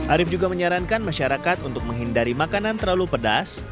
arief juga menyarankan masyarakat untuk menghindari makanan terlalu pedas